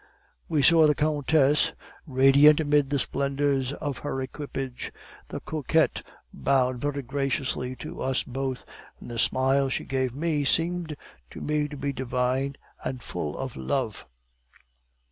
"We saw the countess, radiant amid the splendors of her equipage. The coquette bowed very graciously to us both, and the smile she gave me seemed to me to be divine and full of love.